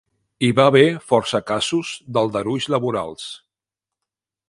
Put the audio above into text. Hi va haver força casos d'aldarulls laborals.